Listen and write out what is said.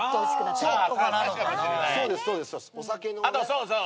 そうそう。